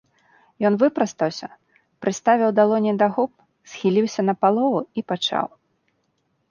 Ён выпрастаўся, прыставіў далоні да губ, схіліўся напалову і пачаў.